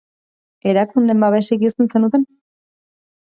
Erakundeen babesik izan zenuten?